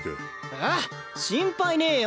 えっ心配ねえよ